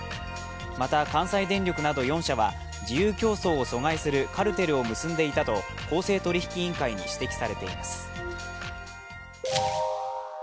また、関西電力など４社は自由競争を阻害するカルテルを結んでいたと、公正取引委員会に指摘されています。